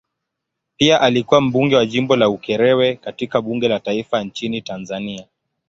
Pia alikuwa mbunge wa jimbo la Ukerewe katika bunge la taifa nchini Tanzania.